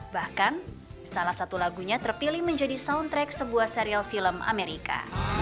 bahkan salah satu lagunya terpilih menjadi soundtrack sebuah serial film amerika